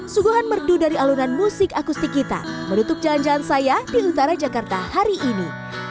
suguhan merdu dari alunan musik akustik kita menutup jalan jalan saya di utara jakarta hari ini